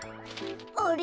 あれ？